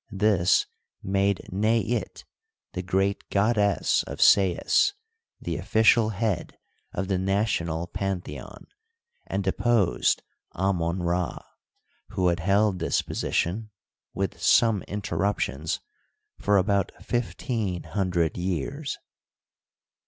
This made Neit, the great goddess of Sais, the official head of the national pantheon, and deposed Amon Ra, who had held this position, with some interruptions, for about fifteen hundred years.